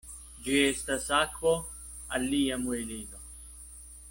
Ĝi estas akvo al lia muelilo.